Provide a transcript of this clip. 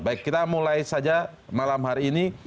baik kita mulai saja malam hari ini